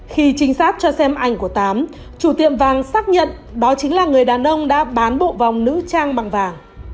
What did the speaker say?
khi trinh sát cho xem ảnh của tám chủ tiệm vàng xác nhận đó chính là người đàn ông đã bán bộ vòng nữ trang bằng vàng